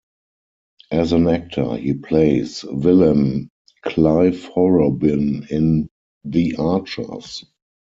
As an actor, he plays villain Clive Horrobin in "The Archers".